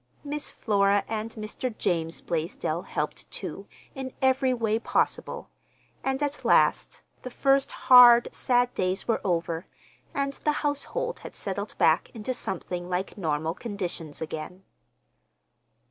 Miss Flora and Mr. James Blaisdell helped, too, in every way possible, and at last the first hard sad days were over, and the household had settled back into something like normal conditions again.